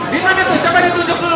dimana tuh coba ditunduk dulu